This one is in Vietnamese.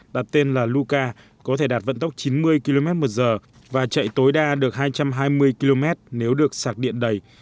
đặt tên là luca có thể đạt vận tốc chín mươi km một giờ và chạy tối đa được hai trăm hai mươi km nếu được sạc điện đầy